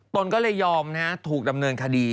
ตนก็เลยยอมถูกดำเนินคดี